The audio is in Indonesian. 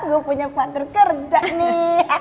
gue punya partner kerja nih